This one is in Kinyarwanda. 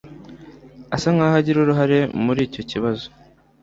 Asa nkaho agira uruhare muri icyo kibazo